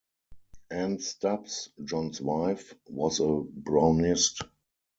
Anne Stubbs, John's wife, was a Brownist.